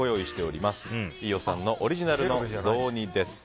飯尾さんオリジナルの雑煮です。